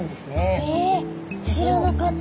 へえ知らなかった。